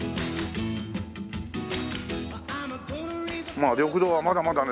まあ緑道はまだまだね